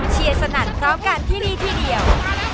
เชียร์สนัดพร้อมกันที่นี้ทีเดียว